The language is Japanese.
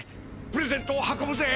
プレゼントを運ぶぜ。